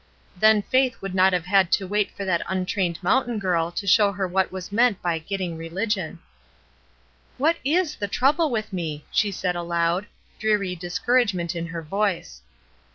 Then Faith would not have had to wait for that untrained mountain giri to show her what was meant by "getting reli^on." "What is the trouble with me?" she said aloud, dreary discouragement m her voice.